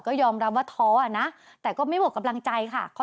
พิมพ์บอกห้องมาแล้วเขาก็